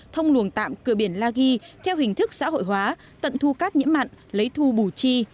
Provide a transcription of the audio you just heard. thông luồng tạm cửa biển la ghi theo hình thức xã hội hóa tận thu cát nhiễm mặn lấy thu bù chi